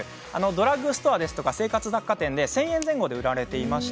ドラッグストアや生活雑貨店で１０００円前後で売られています。